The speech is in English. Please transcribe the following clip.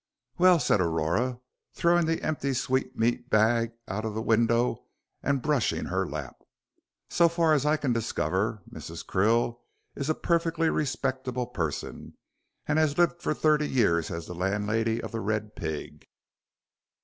"Well," said Aurora, throwing the empty sweetmeat bag out of the window and brushing her lap, "so far as I can discover, Mrs. Krill is a perfectly respectable person, and has lived for thirty years as the landlady of 'The Red Pig.'